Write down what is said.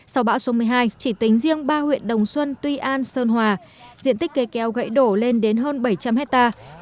sau bão số một mươi hai chỉ tính riêng ba huyện đồng xuân tuy an sơn hòa diện tích cây keo gãy đổ lên đến hơn bảy trăm linh hectare